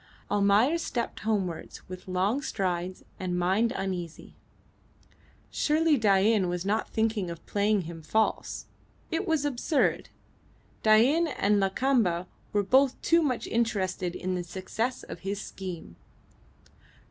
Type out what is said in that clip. Almayer stepped homewards with long strides and mind uneasy. Surely Dain was not thinking of playing him false. It was absurd. Dain and Lakamba were both too much interested in the success of his scheme.